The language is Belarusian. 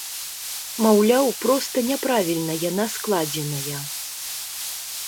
Маўляў, проста няправільна яна складзеная.